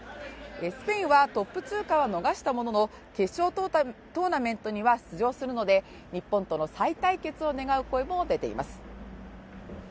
スペインはトップ通過は逃したものの決勝トーナメントには出場するので、日本との再対決を願う声も出ています。